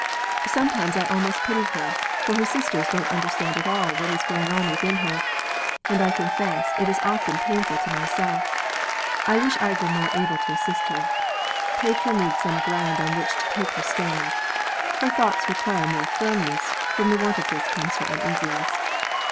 Sometimes I almost pity her, for her sisters don't understand at all what is going on within her, and I confess it is often painful to myself; I wish I were more able to assist her. Petrea needs some ground on which to take her stand. Her thoughts require more firmness; from the want of this comes her uneasiness.